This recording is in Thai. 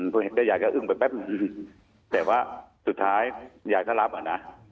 พอเห็นก็ยายก็อึ้งไปแป๊บหนึ่งแต่ว่าสุดท้ายยายก็รับอ่ะนะ